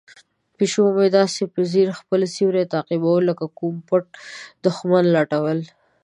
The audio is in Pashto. پیشو مې داسې په ځیر خپل سیوری تعقیبوي لکه د کوم پټ دښمن لټول.